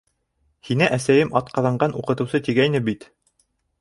— Һине әсәйем атҡаҙанған уҡытыусы, тигәйне бит.